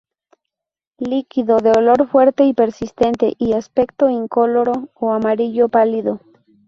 Líquido, de olor fuerte y persistente, y aspecto incoloro o amarillo pálido.